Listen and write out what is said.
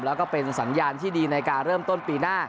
แล้วก็เป็นสัญญาณที่ดีในการเริ่มต้นปีหน้า